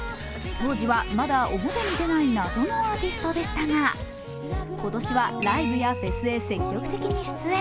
当時はまだ表に出ない謎のアーティストでしたが今年はライブやフェスへ積極的に出演。